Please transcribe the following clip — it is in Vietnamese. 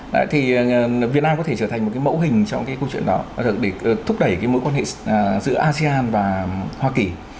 đấy thì việt nam có thể trở thành một cái mẫu hình trong cái câu chuyện đó để thúc đẩy cái mối quan hệ giữa asean và hoa kỳ